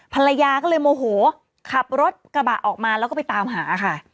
ภรรยาก็เลยโมโหขับรถกระบะออกมาแล้วก็ไปตามหาค่ะ